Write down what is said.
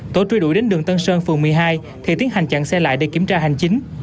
tổ truy đuổi đến đường tân sơn phường một mươi hai thì tiến hành chặn xe lại để kiểm tra hành chính